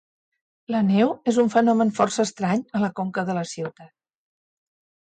La neu és un fenomen força estrany a la conca de la ciutat.